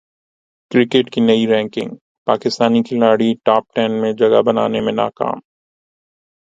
cricket کی نئی ranking Pakistani کھلاڑی ٹاپ ٹین میں جگہ بنانے میں ناکام